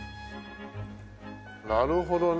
なるほどね。